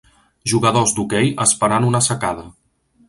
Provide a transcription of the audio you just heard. Jugadors d'hoquei esperant una sacada.